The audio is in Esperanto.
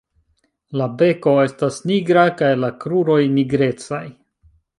La beko estas nigra kaj la kruroj nigrecaj.